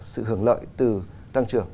sự hưởng lợi từ tăng trưởng